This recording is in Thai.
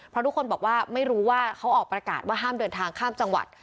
เพราะทุกคนบอกว่าไม่รู้ว่าเขาออกประกาศว่าห้ามเดินทางข้ามจังหวัด